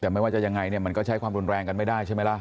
ไม่ว่าจะยังไงก็ใช้ความรุนแรงกันไม่ได้ใช่ไหมล่ะ